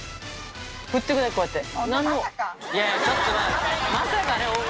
振ってるだけこうやって。